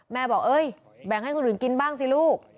แม่บอกเอ้ยแบ่งให้คนอื่นกินบ้างสิลูก